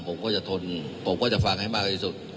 ผมก็จะทนผมก็จะฟังให้มากที่สุด